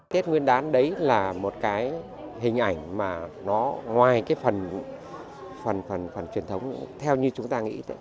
tết nguyên đán đấy là một cái hình ảnh mà nó ngoài cái phần phần truyền thống theo như chúng ta nghĩ